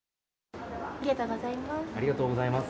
ありがとうございます。